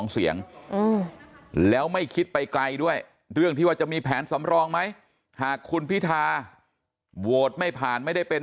๓๑๒เสียงแล้วไม่คิดไปไกลด้วยเรื่องที่ว่าจะมีแผนสำรองไหม